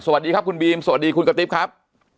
สวัสดีครับคุณบีมสวัสดีคุณกระติ๊บครับ